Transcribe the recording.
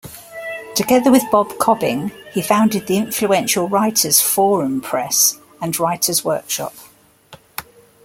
Together with Bob Cobbing, he founded the influential Writers Forum press and writers' workshop.